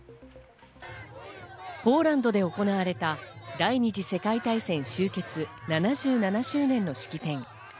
ポーランドで行われた第二次世界大戦終結７７周年の式典。